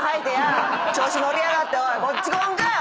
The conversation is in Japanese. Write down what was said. こっち来んかい！